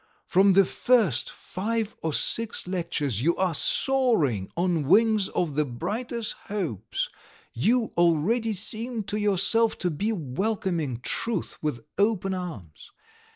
From the first five or six lectures you are soaring on wings of the brightest hopes, you already seem to yourself to be welcoming truth with open arms.